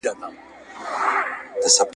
ستا سورکۍ نازکي پاڼي ستا په پښو کي تویومه ,